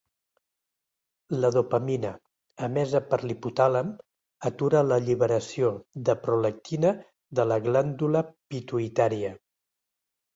La dopamina, emesa per l'hipotàlem, atura l'alliberació de prolactina de la glàndula pituïtària.